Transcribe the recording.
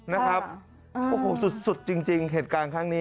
นะครับโอ้โหสุดจริงเหตุการณ์ครั้งนี้